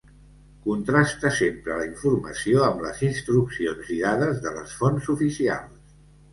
Contrasta sempre la informació amb les instruccions i dades de les fonts oficials.